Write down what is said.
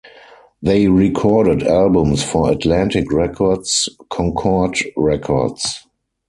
They recorded albums for Atlantic Records, Concord Records.